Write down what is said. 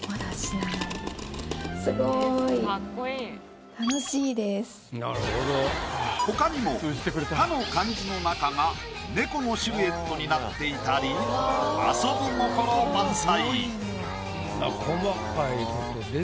すごい！他にも「田」の漢字の中が猫のシルエットになっていたり遊び心満載。